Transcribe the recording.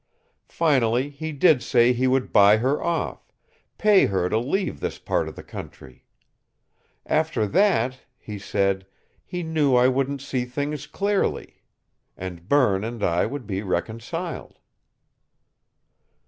Finally, he did say he would buy her off, pay her to leave this part of the country. After that, he said, he knew I would 'see things clearly,' and Berne and I would be reconciled."